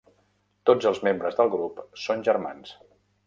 Tots els membres del grup són germans.